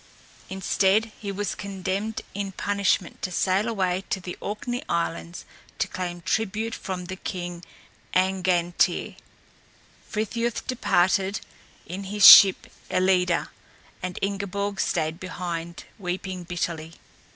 Instead he was condemned in punishment to sail away to the Orkney Islands to claim tribute from the king Angantyr. Frithiof departed in his ship Ellida, and Ingeborg stayed behind, weeping bitterly.